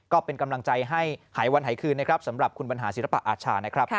ก็เป็นกำลังใจให้หายวันหายคืนนะครับสำหรับคุณบรรหาศิลปะอาชานะครับ